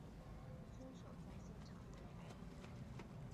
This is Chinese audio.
凶手在现场被逮捕。